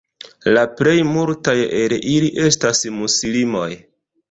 La plej multaj el ili estas muslimoj.